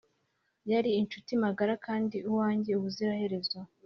yari inshuti magara kandi uwanjye ubuziraherezo.